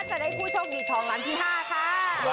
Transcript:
จะได้ผู้โชคดีทองรำที่๕ค่าาา